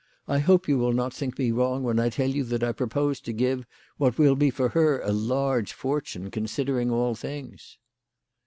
I hope you will not think me wrong when I tell you that I propose to give what will be for her a large fortune, considering all things."